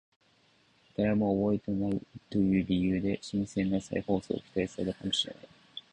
誰も覚えていないという理由で新鮮な再放送を期待されたからかもしれない